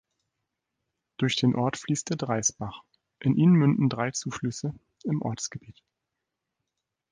Durch den Ort fließt der "Dreisbach", in ihn münden drei Zuflüsse im Ortsgebiet.